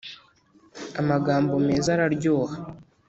amagambo meza araryoha